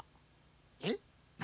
えっ何？